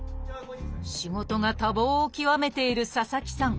仕事が多忙を極めている佐々木さん。